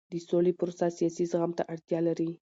د سولې پروسه سیاسي زغم ته اړتیا لري